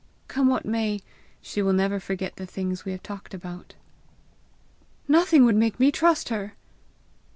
Come what may, she will never forget the things we have talked about." "Nothing would make me trust her!"